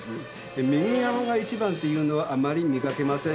右側が１番というのはあまり見かけません。